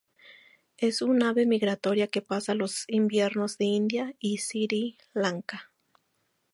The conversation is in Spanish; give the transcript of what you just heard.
Es un ave migratoria que pasa los inviernos en India y Sri Lanka.